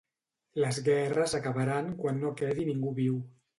Les guerres acabaran quan no quedi ningú viu.